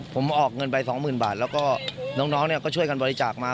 ผมออกเงินไป๒๐๐๐บาทแล้วก็น้องก็ช่วยกันบริจาคมา